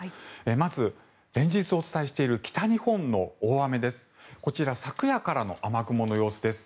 まず、連日お伝えしている北日本の大雨です。